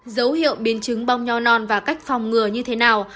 dấu hiệu biến chứng bong nho non và cách phòng ngừa như thế nào